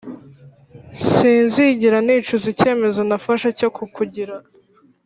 sinzigera nicuza icyemezo nafashe cyo kukugira